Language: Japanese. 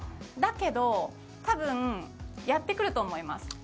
だけど多分やってくると思います。